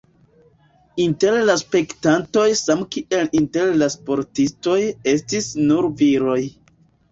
Inter la spektantoj samkiel inter la sportistoj estis nur viroj.